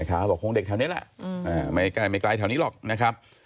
แม่ค้าบอกว่าคงเด็กแถวนี้แหละไม่กลายแถวนี้หรอกนะครับ